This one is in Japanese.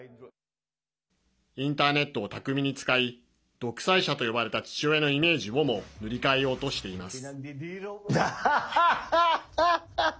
インターネットを巧みに使い独裁者と呼ばれた父親のイメージをも塗り替えようとしています。